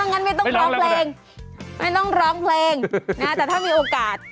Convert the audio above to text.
งั้นไม่ต้องร้องเพลงไม่ต้องร้องเพลงนะแต่ถ้ามีโอกาส